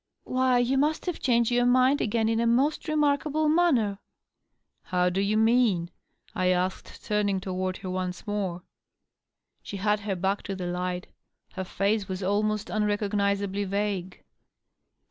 " Why, you must have changed your mind again in a most remarkable manner." " How do you mean ?" I asked, turning toward her once more. She had her back to the light; her face was almost unrecognizably vague.